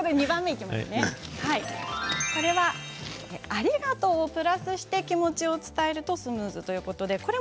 ２番目はありがとうをプラスして気持ちを伝えるとスムーズということです。